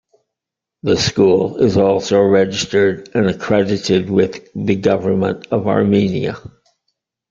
The school is also registered and accredited with the government of Armenia.